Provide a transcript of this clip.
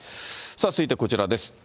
続いてこちらです。